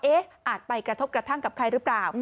อาจไปกระทบกระทั่งกับใครหรือเปล่า